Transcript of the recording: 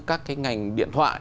các cái ngành điện thoại